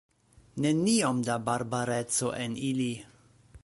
Neniom da barbareco en ili!